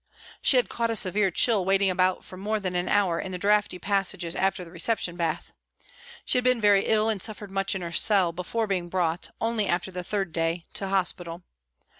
She had caught a severe chill waiting about for more than an hour in the draughty passages after the reception bath. She had been very ill and suffered much in her cell before being brought, only after the third day, to hospital.